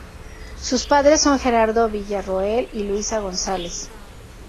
Sus padres son Gerardo Villarroel y Luisa González.